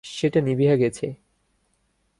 সেটা নিবিয়া গেছে।